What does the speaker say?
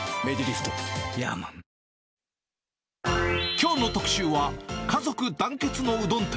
きょうの特集は、家族団結のうどん店。